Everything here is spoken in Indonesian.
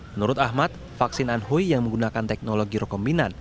menurut ahmad vaksin anhui yang menggunakan teknologi rekombinan